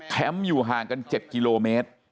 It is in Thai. อยู่ห่างกัน๗กิโลเมตร